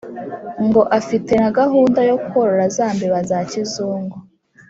ngo afite na gahunda yo korora za mbeba za kizungu.